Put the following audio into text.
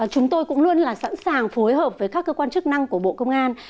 chúng tôi cũng luôn là sẵn sàng phối hợp với các cơ quan chức năng của bộ công an